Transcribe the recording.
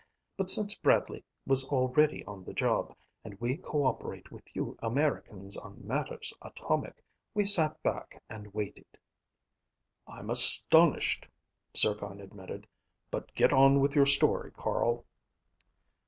But since Bradley was already on the job, and we co operate with you Americans on matters atomic, we sat back and waited." "I'm astonished," Zircon admitted. "But get on with your story, Carl."